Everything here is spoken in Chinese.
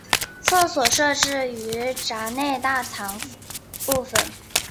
厕所设置于闸内大堂部分。